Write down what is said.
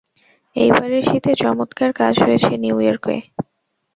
এইবারের শীতে চমৎকার কাজ হয়েছে নিউ ইয়র্কে।